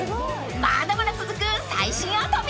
［まだまだ続く最新熱海］